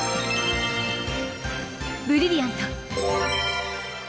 ブリリアント！